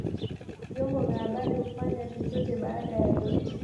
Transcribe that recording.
vyombo vya habari hufanya chochote baada ya yote